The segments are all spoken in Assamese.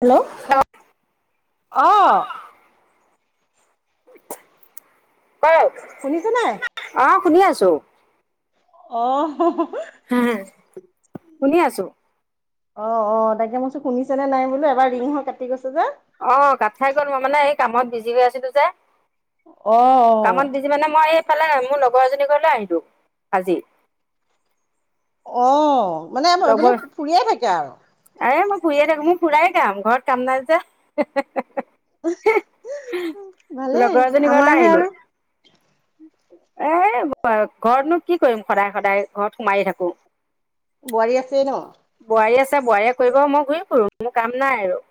হেল্ল' অ কওক শুনিছে নাই অ শুনি আছো অ শুনি আছো অ অ তাকে মইছো শুনিছে নে নাই বোলো এবাৰ ৰিং হৈ কাটি গৈছে যে অ কাট খাই গ'ল মই মানে এই কামত বিজি হৈ আছিলো যে অ কামত বিজি মানে মই এইফালে মোৰ লগৰ এজনী ঘৰলে আহিলো আজি অ মানে আপুনি ফুৰিয়ে থাকে আৰু আ মই ফুৰিয়ে থাকো মোৰ ফুৰাই কাম ঘৰত কাম নাই যে ভালেই লগৰ এজনী ঘৰলৈ আমাৰহে আৰু আহিলো এ ঘৰতনো কি কৰিম সদায় সদায় ঘৰত সোমাই থাকো বোৱাৰী আছে? ন', বোৱাৰী আছে। বোৱাৰীয়ে কৰিব মই ঘূৰি ফুৰো মোৰ কাম নাই আৰু।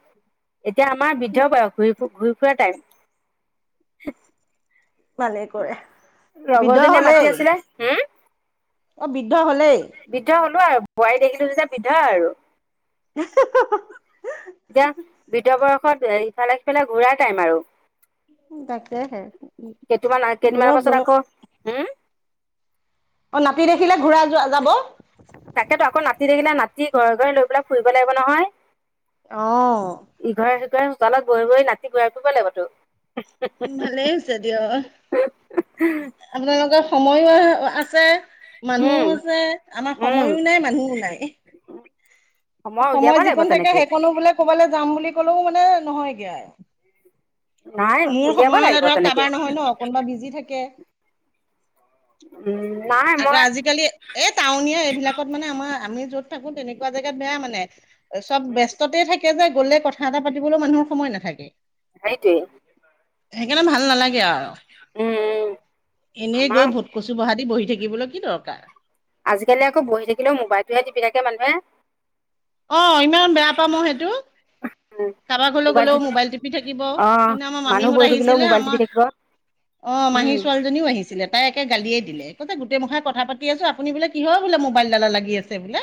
এতিয়া আমাৰ বৃদ্ধ বয়স। ঘূৰি ফ ঘূৰি ফুৰা টাইম। ভালে কৰে বৃদ্ধ লগৰজনীয়ে হলেই মাতি আছিলে। হ', অ', বৃদ্ধ হলেই। বৃদ্ধ হ'লো আৰু বোৱাৰী দেখিলো যে যে বৃধ আৰু এতিয়া, বিিত বয়সত ইফালে পেলাই ঘূৰাাৰ টাইম আৰু। তাকেহে। কেইটান কেইদিনমানৰ ঘূৰক পাছত ঘূৰক আকৌ উম, অ', নাাটতি দেখিলে ঘূৰা যোৱা যাব। তাকেতো আকৌ নাতি থাকিলা নাতি ঘৰে-ঘৰে লৈ পেলাই ফুৰিব লাগিব নহয়। অ', ইঘৰে-সিঘৰে সোতালত গৈ-গৈ নাতি গই কৰিব লাগিবত উ', মালে এনছ দ, অ', আপোনালোকৰ সময়ো আছে। উম মানুহো আছে আমাৰ উম সময়ো নাই মানুহও নাই। উলিয়াব সময় লাগিব যিকন থাকে তেনেকে সেইকণো বোলে ক'বালৈ যাম বুলি ক'লেও মানে নহয়গে। নাই মোৰ উলিয়াব সময় লাগিব হলে ধৰক তেনেকে কাৰোবাৰ নহয় ন, কোনোবা বিজি থাকে। উম, নাই আকৌ মই আজিকালি এই টাউনীয়া এইবিলাকত মানে আমাৰ আমি য'ত থাকো তেনেকুৱা জেগাত বেয়া মানে চব ব্যস্ততে থাকে যে গ'লে কথা কথা এটা পাতিবলৈ মানুহৰ সময় নাথাকে। সেইটোৱে সেইকাৰণে ভাল নালাগে আৰু উম উম এনে আমাৰ গৈ ভূতকচি বহা বহি থাকিবলৈ কি দৰকাৰ। আজিকালি আকৌ বহি থাকিলে‌ মুবাইলটোহে টিপি থাকে মানুহে। অ', ইমান বেয়া পাম মই সেইটো। উম কাৰোবাৰ ঘৰলৈ গ'লেও মোবাইল টিপি থাকিব অ সেইদিনা আমাৰ মানুহ মামীহঁত বহি থাকিলেও আহিছিলে মোবাইল আমাৰ টিপি অ', মাহী ছোৱালীজনীও আহিছিলে তাই একে গালিয় দিলে। কৈছে, গোটেই মুখাই কথা পাতি আছো, ‌ আপুনি বোলে কিহৰ বোলে ম'বাইলডালত লাগি আছে বোলে।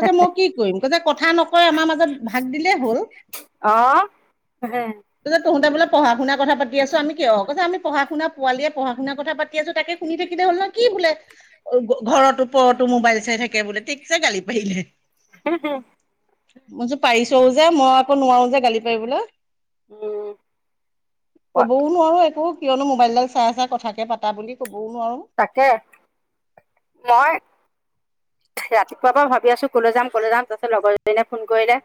ত', মই কি কৰিম? কথা নকয় আমাৰ মাজত ভাগ দিলেই হ'ল। অহ। ত', তোহতে বোলে প়ঢ়া শুনা কথা পাতি আছ আমি কিয় ক, আমিঢ়া শুনা পোৱালিয়ে পঢ়া শুনা কথাাতিছো তাকে শুনি থাকিলে হ'ল ন কি বোলে ঘৰত ওপৰতো মোবাইল চাই থাকে বোলে। ঠিকছে গালি পাৰিলে। উম, হুম। মই যে পাৰিছোও যে, মই আকৌ নোৱাৰো যে গালি পাৰিবলৈ। উম প- কবও নোৱাৰো একো কিয়নো মোবাইলডাল চাই চ কথাকে পাতা বুলি ক'বও নোৱাৰোঁ। তাকে। মই ৰাতিপুৱাৰ পৰা ভাবি আছো কলৈ যাম কলে যাম তাৰিছত লগৰজনীয়ে ফোন কৰিলে।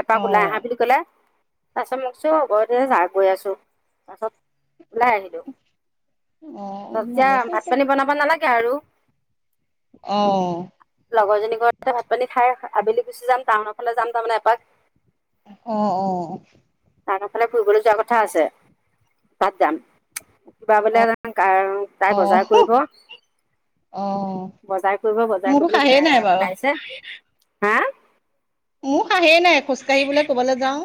এপাক ওলাই আহা অ', বুলি কলে তাৰপাছত মোকচো আৰ এ, য, গৈ আছো তাৰপিছত ওলাই আহি। অ', ভালে ভাত কৰিছে পানী বনাব নালাগে আৰু অহ। লগৰজনী ঘৰতে ভাত পানী খাই, ‌ আবেলি গুচি যাম টাউনৰ ফালে যাম তাৰমানে এপাক। অ', অ,। তাহঁতৰ ফালে ফুৰিবলৈ যোৱা কথা আছে। তাত যাম কিবা বলে [unintelligible] অ', তাই অ', বজাৰ কৰিব অ', [unintelligible] বজাৰ কৰিব বজাৰ মোৰতো কৰিবলৈ সাহেই এ নাই বাৰু। লাইছে হা মোৰ সাহই নাই খোজকাঢ়ি বোলে ক'বলৈ যাওঁ।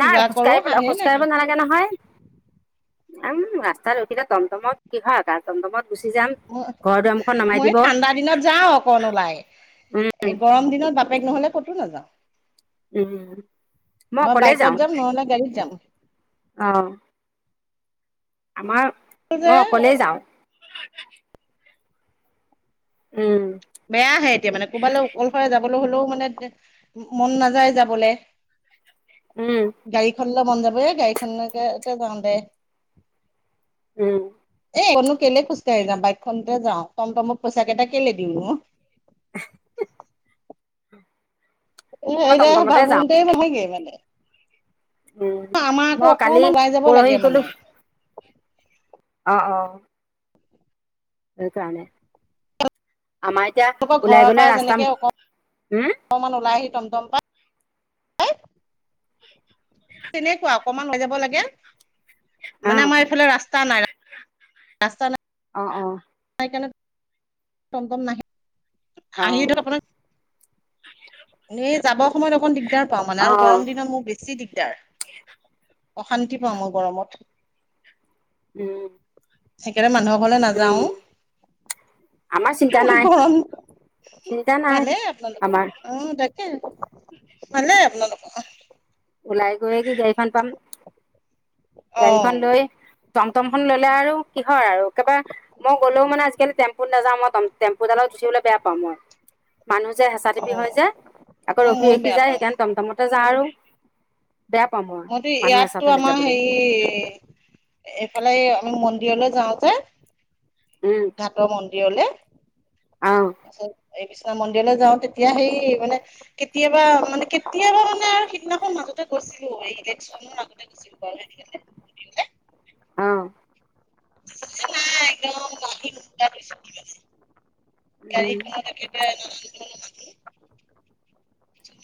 নাই কৰো খোজকাঢ়িবলৈ সাহেই নাই। খোজকাঢ়িবলৈ না নহয় উম ৰাস্তা ৰখিলে টমটমত কি হয়ৰ আৰু টমটমত গুচি যাম। ঘৰ দুৱাৰমুখত নমাই মই দিব ঠাণ্ডা দিনত যাওঁ অকন ওলাই উম, এ গৰম দিনত বাপ বাইক নহলে ক'তো নাযাওঁ উম, মই অ', অকলে বাইকত যাওঁ যাম নহ'লে গাড়ীত যাম। অ'। আমাৰ যে মই অকলেই যাওঁ। উম। বেয়া আহে এতিয়া মানে কোৰবালৈ কোনফালে যাবলৈ হ'লেও মানে মন নাযায় যাবলৈ। উম। গাড়ী খনলৈলে মন যাব গাড়ীখনকে এ যাওঁ দে। উম। এ, কন কেলে খোজকাঢ়ি যাওঁ, বাইকখনতে যাওঁ টমটমক পইচা কেইটা কেলে দিওঁ নো। [inaudible] মই আমাৰ টমটমতে আকৌ যাওঁ অকমান উম। মই কালি ওলাই যাব পৰহি লাগে গ'লো মানে। অ', অ। সেইকাৰণে, আমাৰ এতিয়া তেওঁলোকৰ ওলাই ঘৰৰ পৰা গ'লে ৰাস্তা যেনেকে মুখতে হম! অকমান ওলাই আহি টমটম পাই তেনেকুৱা অকমান লৈ যাব লাগে, মানে অ', আমাৰ এইফালে ৰাস্তা নাই ৰা ৰাস্তা নাই। অ', অ'। সেইকাৰণে টমটম নাহে, অ', আহিলেও অপোনাৰ এ, যাবৰ সময়ত অকণ দিগদাৰ পাওঁ মানে আৰু অ', গৰম দিনত মোৰ বেছি দিগদাৰ। অশান্তি পাওঁ মই গৰমত। উম। সেইকাৰণে মানুহৰ ঘৰলে উম, নাযাওঁ আমাৰ চিন্তা নাই গৰম, চিন্তা নাই ভালে আপোনালোকৰ আমাৰ অ', তা কে ভালে আপোনালোকৰ। ওলাই গৈয়ে কি গাড়ীখন পাম, অ গাড়ীখন লৈ টমটমখন ল'লে আৰু কিহৰ আৰু একবা মই গ'লেও মানে আজিকালি টেম্পুত নাযাওঁ, টম- টেম্পুডাল উঠিবলৈ বেয়া পাওঁ মই। মানুহ যে হেঁচা অ থেপি হয়, যে আকৌ অ ৰখি, ময়ো ৰখি বেয়া যায় পাওঁ সেইকাৰণে টমটমতে যাওঁ আৰু। বেয়া পাও মই। মইতো মানুহ হেঁচা ইয়াতটো ঠেলিত আমাৰ যাবলৈ হেৰি, এইফালে আমি মন্দিৰলৈ যাওঁ যে উম। ঘাটৰ মন্দিৰলে অ'। তাৰপিছত এই বিশ্বনাথ মন্দিৰলৈ যাওঁ তেতিয়া সেই মানে কেতিয়াবা মানে কেতিয়াবা মানে আৰু সিদিনাখন মাজতে গৈছিলোঁ ইলেকচনৰ আগতে [inaudible] অ'। [inaudible] উম গাড়ীৰখনত একেবাৰে [unintelligible]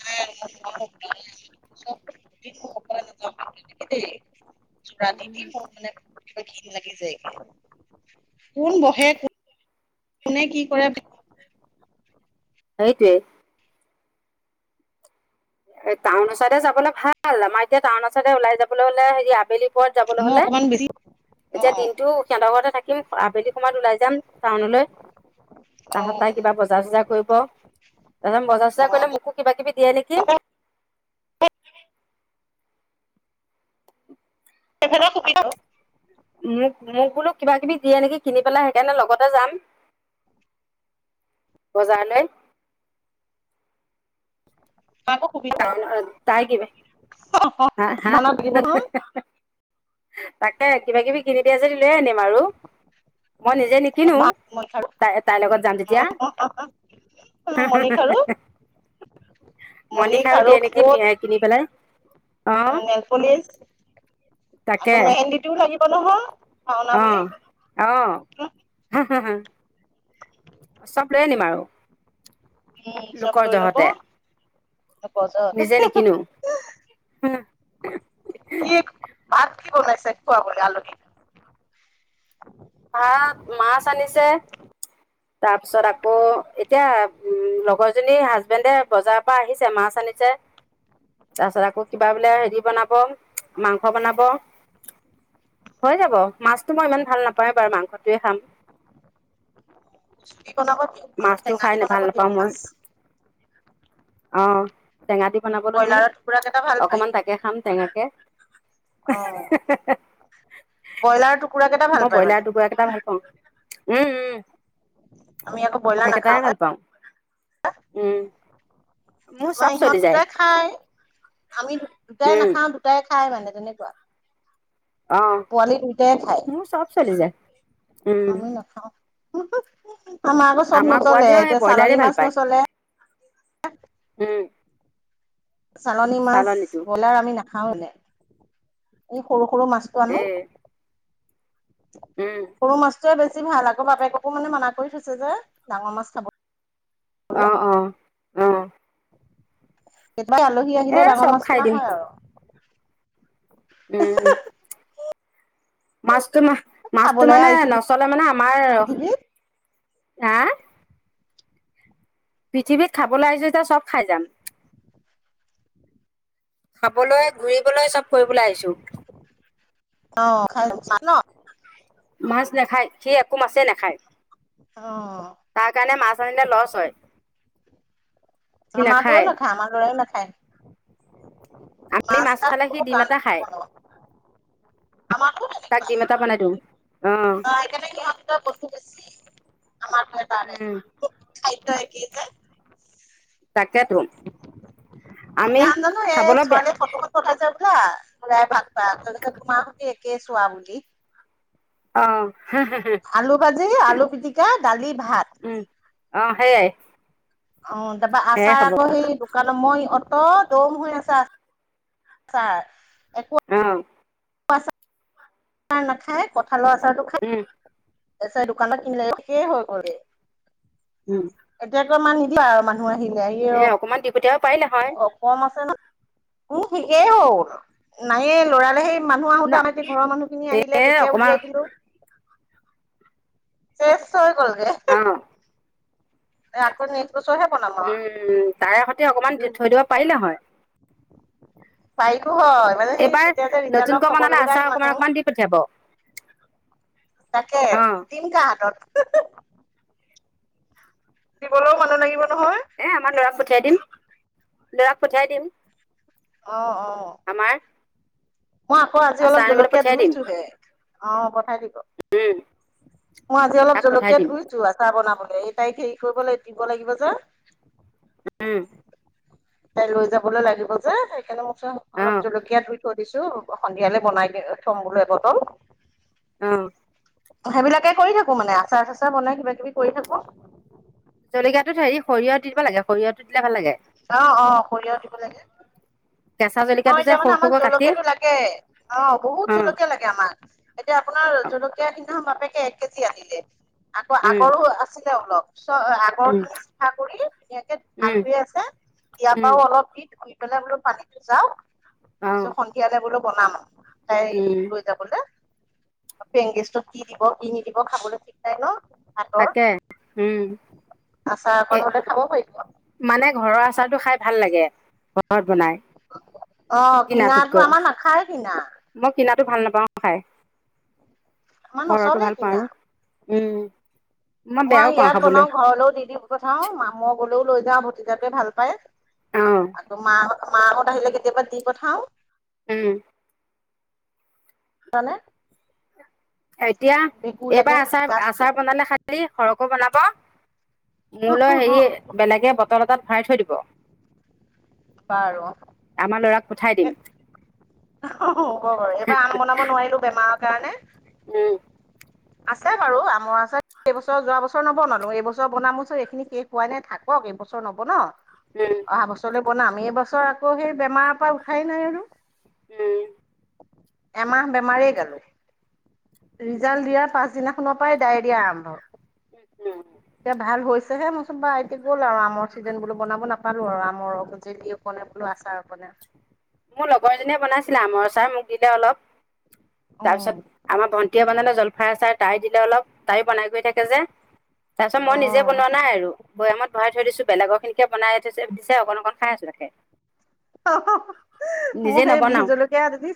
[inaudible] ৰাতি দি মোৰ মানে কিবা ঘিন লাগি যায়গে, কোন বহে, কোনে কি কৰে সেইটোৱে। এ, টাউনৰ চাইদে যাবলে ভাল। আমাৰ এতিয়া টাউনৰ চাইডে ওলাই যাবলে হ'লে হেৰি আবেলি পৰত যাবলৈ মই হ'লে অকণমান বেছি অ এতিয়া দিনটো সিহঁতৰ ঘৰতে থাকিম, আবেলি সময়ত ওলাই যাম টাউনলৈ। [inaudible] তাহঁত তাই কিবা বজাৰ চজাৰ কৰিব, তাৰপিছত বজাৰ অ চজাৰ কৰিলে মোকো কিবা কিবি দিয়ে নেকি? [unintelligible] সুবিধা মোক, মোক বোলো কিবা কিবি দিয়ে নেকি কিনি পেলাই সেইকাৰণে লগতে যাম বজাৰলে। [inaudible] তাই? [unintelligible] হা'? হা' হা'। ভাওনাত লাগিব নহয় তাকে কিবা কিবি কিনি দিয়ে যদি লৈ আনিম আৰু মই নিজে নিক কিনো, মই খাৰু তাই তাইৰ লগত যাম যেতিয়া। [unintelligible] খাৰু মণি খাৰু দিয়ে নেকি কিনি পেলাই? অ', নেলপলিছ! আকৌ তাকে মেহেন্দীটোও লাগিব নহয় ভাওনা অ বুলি। অ [unintelligible] [inaudible] চব লৈ আনিম আৰু। উম, চব লোকৰ লৈ ল'ব [unintelligible] জহতে নিজে নিকিনো [unintelligible] ভাত কি বনাইছে খোৱাবলে আলহীক? ভাত মাছ আনিছে। উ [inaudible] তাৰপিছত আকৌ এতিয়া লগৰজনীৰ হাজবেণ্ডে বজাৰৰ পৰা আহিছে মাছ আনিছে। [inaudible] তাৰ পিছত আকৌ কিবা বোলে হেৰি বনাব মাংস বনাব। হৈ যাব মাছটো মই ইমান ভাল নাপাৱে বাৰু মাংসটোৱে খাম। কি বনাব? দিয়ক মাছটো টেঙা খাই দি নে বনাব ভাল দিয়ক নাপাওঁ মই, মাছ অ'। টেঙা দি বনাবলৈ দিম, ব্ৰইলাৰৰ টুকুৰা কেইটা ভাল পায় অকমান তাকে খাম টেঙাকে। অ [unintelligible] ব্ৰইলাৰৰ টুকুৰা কেইটা ভাল মই পায় ব্ৰইলাৰ মানে টুকুৰা কেইটা ভাল পাওঁ। উম, উম। আমি আকৌ ব্ৰইলাৰ সেইকেটাহে নাখাওঁ যে ভাল পাওঁ। উম [unintelligible] মোৰ চব আমাৰ চলি ইহঁত যায় যে খাই, আমি দু দুটাই উম নাখাওঁতো। দুটাই খায় মানে তেনেকুৱা, অ পোৱালি দুইটাই খায়। [inaudible] চব চলি যায়। উম আমি নাখাওঁ, আমাৰ আকৌ চব আমাৰ নজলে পোৱালিও সেই এতিয়া ব্ৰইলাৰে চালনী ভাল মাছ পায় নচলে। উম। চালনী মাছ চালনীটো ব্ৰইলাৰ আমি নাখাওঁ মানে। এই সৰু সৰু মাছ এ উম সৰু মাছ [unintelligible] বেছি ভাল আকৌ বাপেককো মানে মানা কৰি থৈছে যে ডাঙৰ মাছ খাব অ', অ', অ'। [unintelligible] আলহী এ আহিলে ডাঙৰ চব খাই মাছটো অনা দিম হয় আৰু। উম। মাছটো মা মাছটো খাবলৈ মানে আহিছো নচলে মানে আমাৰ, পৃথিৱীত আ পৃথিৱীত খাবলৈ আহিছোঁ এতিয়া চব খাই যাম। খাবলৈ ঘূৰিবলৈ চব কৰিবলৈ আহিছোঁ। অ খাই ন মাছ নাখায় সি একো মাছেই নাখায়। অ'। তাৰ কাৰণে মাছ আনিলে লছ হয়। আমাৰতোও নাখায় আমাৰ দৰেই নাখায়। আমি মাছ খালে সি ডিম তাছ এটা খায়। [unintelligible] আমাৰতো তেনেকুৱাই, বা তাক ডিম এটা বনাই [unintelligible] দিওঁ কি অ হ'ল [unintelligible] বেছি আমাৰ [unintelligible] উম খাদ্য একেই যে। তাকেতো। আমি নাম জানো এ, খাবলৈ বেয়া ছোৱালীৰ [unintelligible] [unintelligible] তোমাৰ সৈতে একে চোৱা বুলি। অ'। আলু ভাজি, আলু পিটিকা, দালি, ভাত। উম অ' সেইয়াই। অ' তাৰপৰা সেয়াই আছাৰ খাব অ আকৌ সেই দোকানত মই অত' দম হৈ আছে আ আছাৰ একো অ'। আচাৰ নাখায় কঁঠালৰ আচাৰতো উম। দোকানত কিনিলে একেই হৈ গ'ল উম। এতিয়া অকমান নিদিবা আৰু মানুহ আহিলে। এ অকমান দি পঠিয়াব পাৰিলে হয় কম আছে ন মোৰ ঠিকেই হ'ল নায়েই লৰালে সেই মানুহ ন আহোতে আমাৰ ঘৰৰ মানুহ খিনি আহিলে এ তেতিয়াও অকমান উলিয়াই দিলো। চেছ হৈ গলকে। অ'। আকৌ নেক্স বছৰহে বনাম আৰু উম, তাৰে সতে অকমান থৈ দিব পাৰিলে হয়। পাৰিতো হয় মানে সেই এইবাৰ তেতিয়া যে ৰিজাল্টৰ নতুনকৈ খবৰ বনালে ল'বলৈ আহিম আচাৰ মানুহ অকণমান অকমান দিম। পঠিয়াব। তাকে অ', দিম কাৰ হাতত? দিবলৈও মানুহ লাগিব নহয়। এ আমাৰ ল'ৰাক পঠিয়াই দিম, ল'ৰাক পঠিয়াই দিম। অ', অ'। আমাৰ মই আকৌ আজি অলপ আচাৰ আনিবলৈ জলকীয়া পঠিয়াই দিম, ধুইছো হে, অ' পঠাই দিব। উম, মই আজি অলপ তাক পঠাই জলকিয়াত দিম, ধুইছো আচাৰ বনাবলৈ এই তাইক হেৰি কৰিবলাগিব দিব লাগিব যে। উম। তাই লৈ যাবলৈ লাগিব যে সেইকাৰণে মোক চ অলপ অ', জলকীয়া ধুই। থৈ দিছো সন্ধিয়ালৈ বনাই থম বোলো এবটল। উম। সেইবিলাকে কৰি থাকো মানে আচাৰ ঠাচাৰ বনাই কিবা কিবি কৰি থাকো। জলকীয়াটোত হেৰি সৰিয়হ দিব লাগে সৰিয়হটো দিলে ভাল লাগে। অ', অ', সৰিয়হ দিব লাগে। কেঁচা নহয় জলকীয়াটো যে এতিয়া মানে সৰু আমাক সৰুকৈ কাটি, জলকীয়া অ', টো লাগে অ বহুত উম, জলকীয়া লাগে। আমাক এতিয়া আপোনাৰ জলকীয়া খিনিও বাপেকে এক কেজি আনিলে। আকৌ উম, আগৰো আছিলে অলপ চ আগৰ উম, চা খুৰি ধুনীয়াকে ভাল হৈ আছে ইয়াৰ উম, পৰাও অলপ দি শুই পেলাই বোলো পানীতো যাওঁ অ', তাৰপিছত সন্ধিয়ালে বোলো বনাম উম, আৰু তাই যাবদে পেংগেছত কি দিব কি নিদিব খাবলৈ ঠিক নাই নহ। ভাতৰ তাকে, উম। আচাৰ এ অকণ হলে খাব পাৰি। মানে ঘৰৰ আচাৰটো খাই ভাল লাগে ঘৰত বনাই। অ', কিনাটো কিনাটোতকৈ। আমাৰ নাখায় কিনা। মই কিনাটো ভাল নাপাওঁ খাই, আমাৰ ঘৰৰতো নচলেই ভাল কিনা। পাওঁ উম। মই বেয়াও পাওঁ ইয়াত খাবলৈ বনাও, ঘৰলৈও দি দিও। দি পঠাও মা মই গলেও লৈ যাওঁ ভতিজাটোৱে ভাল পায় অ আকৌ মা মাহত আহিলে কেতিয়াবা দি পঠাও। উম। মানে? এতিয়া, এইবাৰ আচাৰ-আচাৰ বনালে খালি সৰহকৈ বনাব। বাৰু মোলৈ হেৰি, হ'ব বেলেগে বটল এটাত ভৰাই থৈ দিব। বাৰু? আমাৰ ল'ৰাক পঠাই দিম এইবাৰ আম বনাব নোৱাৰিলো বেমাৰৰ কাৰণে। উম। আছে বাৰু আমৰ আচাৰ, এই বছৰ যোৱা বছৰ নবনালো এইবছৰ বনাম [unintelligible] এইখিনি শেষ হোৱাই নাই থাকক এইবছৰ নবনাও। উম। অহা বছৰলৈ বনাম এই বছৰ আকৌ সেই বেমাৰৰ পৰা উঠাই নাই আৰু। উম এমাহ বেমাৰে গেলো, ৰিজাল্ট দিয়াত পাছদিনাখনৰ পৰাই ডায়েৰিয়া আৰম্ভ। উম উম এতিয়া ভাল হৈছেহে মইচোন বা এতিয়া গ'ল আৰু আমৰ চিজন, বনাব নাপালো আৰু আমৰ জেলি। কণনে বোলো, আছাৰ অকনে। মোৰ লগৰজনীয়ে বনাইছিলে আমৰ আচাৰ, মোক দিলে অলপ। উম তাৰপিছত আমাৰ ভণ্টিয়ে বনালে জলফাই আচাৰ তাই দিলে অলপ তাইও বনাই। থাকে যে তাৰ পিছত অ মই নিজে বনোৱা নাই আৰু। বৈয়ামত ভৰাই থৈ দিছো বেলেগৰ খিনিকে বনাই থৈ দিছে অকণ অকন খাই আছো তাকে। অহ‌, হ, মোক নিজে সেই বিজ নবনাও জলকীয়া